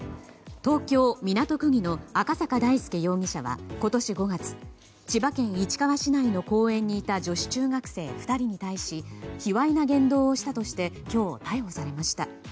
東京・港区議の赤坂大輔容疑者は今年５月千葉県市川市内の公園にいた女子中学生２人に対し卑猥な言動をしたとして今日、逮捕されました。